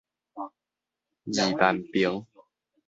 二萬平